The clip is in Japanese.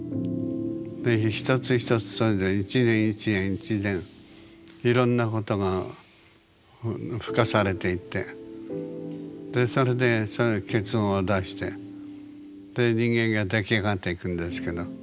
一つ一つそれで一年一年一年いろんなことが付加されていってでそれで結論を出してで人間が出来上がっていくんですけど。